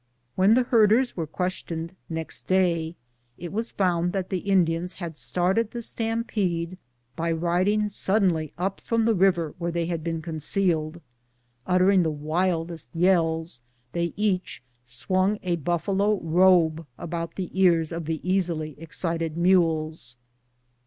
When the herders were questioned next day, it was found that the Indians had started the stampede by riding suddenly up from the river where they had been concealed. Uttering the wildest yells, they each swung a buffalo robe about the ears of the easily excited mules.